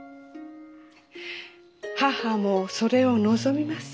母もそれを望みます。